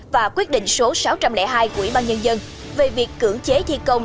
và quyết định số sáu trăm linh hai của ủy ban nhân dân về việc cưỡng chế thi công